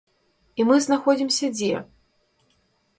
І мы знаходзімся дзе?